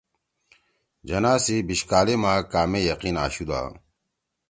جناح سی بیِش کالے ما کامے یقین آشُود۔